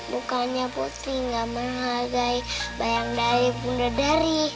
bukannya putri gak menghargai bayang dari bunda dari